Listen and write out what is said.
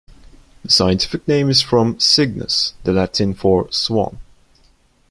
The scientific name is from "cygnus", the Latin for "swan".